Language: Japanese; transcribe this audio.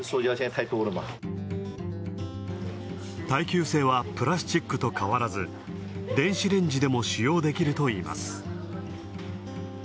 耐久性は、プラスチックと変わらず、電子レンジでも使用できるといいます。